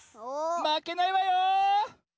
まけないわよ！